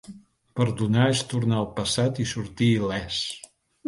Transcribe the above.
Perdonar és tornar al passat i sortir il·lès.